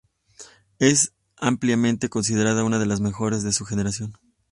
Es ampliamente considerada una de las mejores de su generación.